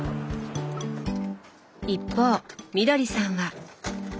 一方みどりさんは。